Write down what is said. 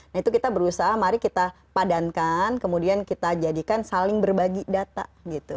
nah itu kita berusaha mari kita padankan kemudian kita jadikan saling berbagi data gitu